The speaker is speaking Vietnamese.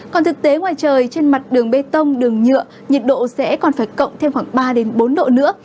còn thực tế ngoài trời trên mặt đường bê tông đường nhựa nhiệt độ sẽ còn phải cộng thêm khoảng ba bốn độ nữa